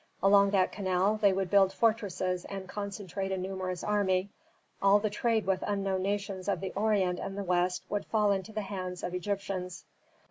Along that canal they would build fortresses and concentrate a numerous army all the trade with unknown nations of the Orient and the West would fall into the hands of Egyptians.